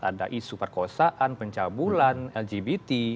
ada isu perkosaan pencabulan lgbt